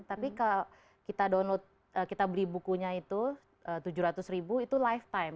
tapi kalau kita download kita beli bukunya itu tujuh ratus ribu itu lifetime